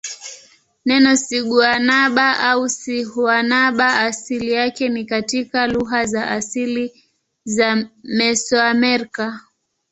Neno siguanaba au sihuanaba asili yake ni katika lugha za asili za Mesoamerica.